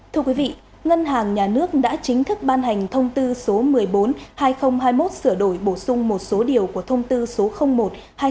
thưa quý vị ngân hàng nhà nước đã chính thức ban hành thông tư số một mươi bốn hai nghìn hai mươi một sửa đổi bổ sung một số điều của thông tư số một hai nghìn hai mươi